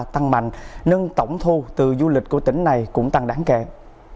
tăng mạnh nâng tổng thu từ du lịch của tỉnh này cũng tăng đáng kể